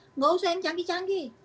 nggak usah yang canggih canggih